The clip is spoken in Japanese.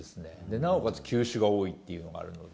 なおかつ球種が多いっていうのがあるので。